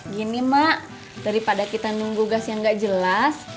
gini mak daripada kita nunggu gas yang nggak jelas